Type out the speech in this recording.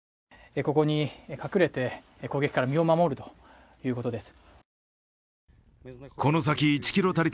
ここに隠れて、攻撃から身を守るということです。